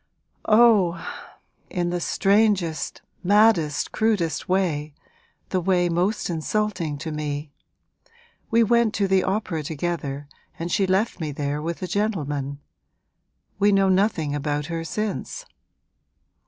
'Oh, in the strangest, maddest, crudest way, the way most insulting to me. We went to the opera together and she left me there with a gentleman. We know nothing about her since.'